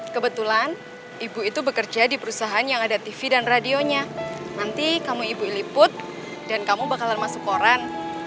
kebetulan ibu itu bekerja di perusahaan yang ada tv dan radionya nanti kamu ibu liput dan kamu bakalan masuk koran